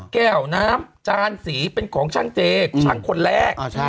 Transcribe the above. แก้วน้ำจานสีเป็นของช่างเจช่างคนแรก